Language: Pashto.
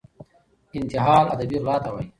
انتحال ادبي غلا ته وايي.